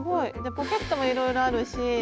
ポケットもいろいろあるし。